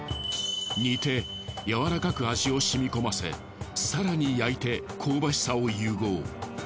煮てやわらかく味をしみ込ませ更に焼いて香ばしさを融合。